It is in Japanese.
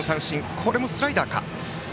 今のもスライダーか。